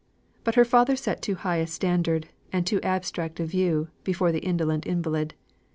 But her father set too high a standard, and too abstract a view, before the indolent invalid.